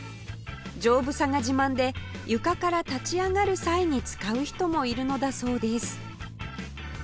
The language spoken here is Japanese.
丈夫さが自慢で床から立ち上がる際に使う人もいるのだそうです